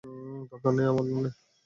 দরকার নাই আমার লোনের।